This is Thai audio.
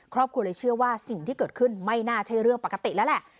ครอบครัวเลยเชื่อว่าสิ่งที่เกิดขึ้นไม่น่าใช่เรื่องปกติแล้วแหละ